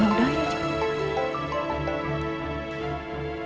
kamu kilos dah